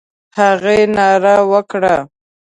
هغې ناره وکړه: